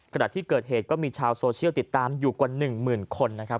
ขณะที่เกิดเหตุก็มีชาวโซเชียลติดตามอยู่กว่า๑หมื่นคนนะครับ